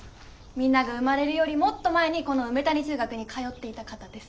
みんなが生まれるよりもっと前にこの梅谷中学に通っていた方です。